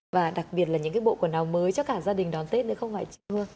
và đặc biệt là những cái bộ quần áo mới cho cả gia đình đón tết nữa không phải chưa